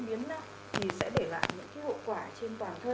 để diễn biến thì sẽ để lại những hậu quả trên toàn thân